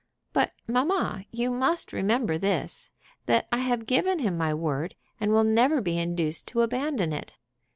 "But, mamma, you must remember this: that I have given him my word, and will never be induced to abandon it."